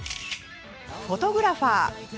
フォトグラファー。